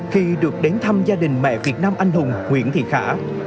khi được đến thăm gia đình mẹ việt nam anh hùng nguyễn thị khả